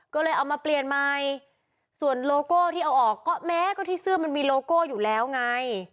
ก็เลยเอามาเปลี่ยนใหม่ส่วนโลโก้ที่เอาออกก็แม้ก็ที่เสื้อมันมีโลโก้อยู่แล้วไง